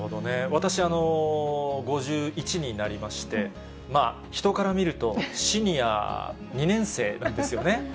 私、５１になりまして、まあ、人から見ると、シニア２年生なんですよね。